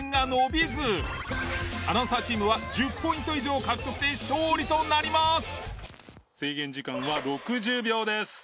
アナウンサーチームは１０ポイント以上獲得で勝利となります。